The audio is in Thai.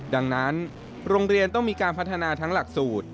ดังนั้นโรงเรียนต้องมีการพัฒนาทั้งหลักสูตร